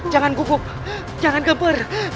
jangan gugup jangan gemper